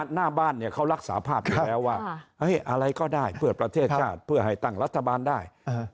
หน้าบ้านเนี่ยเขารักษาภาพอยู่แล้วว่าอะไรก็ได้เพื่อประเทศชาติเพื่อให้ตั้งรัฐบาลได้